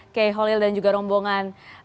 oke iqaulil dan juga rombongan